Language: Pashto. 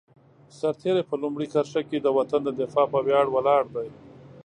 سرتېری په لومړۍ کرښه کې د وطن د دفاع په ویاړ ولاړ دی.